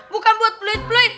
bukan buat peluit peluit